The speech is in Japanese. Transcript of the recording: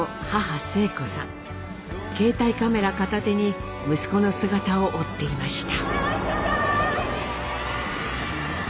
携帯カメラ片手に息子の姿を追っていました。